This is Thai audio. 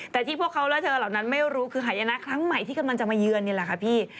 แต่ที่พวกเขาและเธอเหล่านั้นไม่รู้คือหายนะครั้งใหม่ที่กำลังจะมาเยือนนี่แหละค่ะพี่